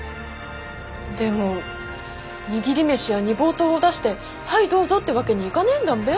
でも握り飯や煮ぼうとうを出して「はいどうぞ」ってわけにいがねぇんだんべ。